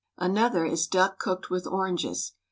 Another Is duck cooked with oranges.